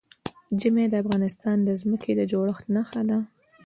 ژمی د افغانستان د ځمکې د جوړښت نښه ده.